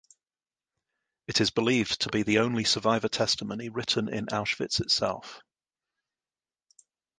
It is believed to be the only survivor testimony written in Auschwitz itself.